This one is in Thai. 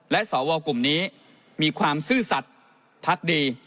และสวกลุ่มนี้มีความซื่อสัตว์พักดี